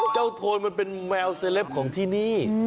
โทนมันเป็นแมวเซลปของที่นี่